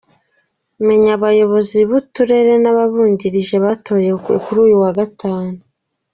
Menya abayobozi b’uturere n’ababungirije batowe kuri uyu wa Gatanu.